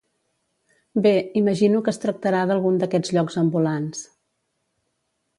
Bé, imagino que es tractarà d'algun d'aquests llocs ambulants.